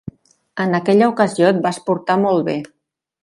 En aquella ocasió et vas portar molt bé.